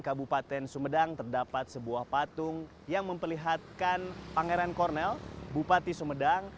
kabupaten sumedang terdapat sebuah patung yang memperlihatkan pangeran kornel bupati sumedang